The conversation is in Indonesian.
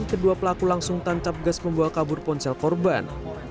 kedua pelaku langsung tancap gas membawa kabur ponsel korban